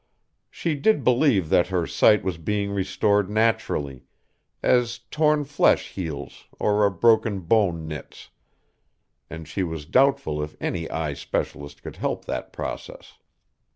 She did believe that her sight was being restored naturally, as torn flesh heals or a broken bone knits, and she was doubtful if any eye specialist could help that process.